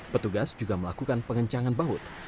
petugas juga melakukan pengencangan baut